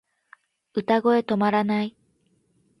歌声止まらない